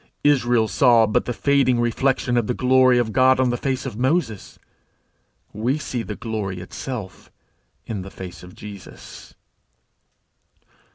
Israel saw but the fading reflection of the glory of God on the face of Moses; we see the glory itself in the face of Jesus.'